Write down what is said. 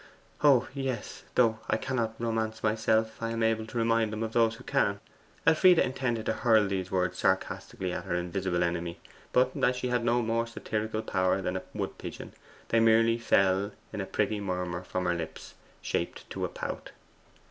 'Oh yes; though I cannot romance myself, I am able to remind him of those who can!' Elfride intended to hurl these words sarcastically at her invisible enemy, but as she had no more satirical power than a wood pigeon, they merely fell in a pretty murmur from lips shaped to a pout.